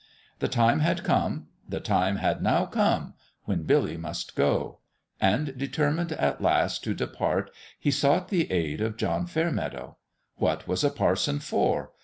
The time had come the time had now come when Billy must go ; and determined at last to depart he sought the aid of John Fairmeadow. What was a parson for?